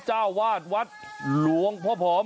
เจ้าวาดวัดหลวงพ่อผอม